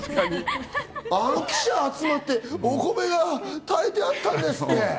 記者が集まってお米が炊いてあったんですって。